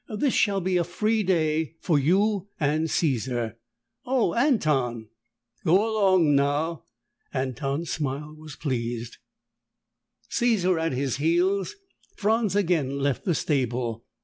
This shall be a free day for you and Caesar." "Oh, Anton!" "Go along now." Anton's smile was pleased. Caesar at his heels, Franz again left the stable.